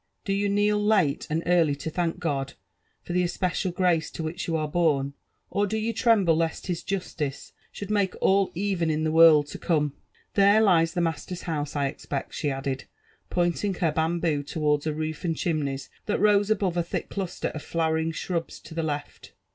''Do yoil kneel late and early to thank God for the especial grace to which you are born ?— or do you tremble lest his justice should make all even ill the world to come? — There lies the master's house, I expect,*' she added, pointing her bamboo towards a roof and chimneys thatrosel above a thick cluster of flowering shrubs to the left.